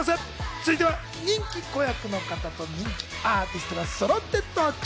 続いては、子役と人気アーティストがそろって登場。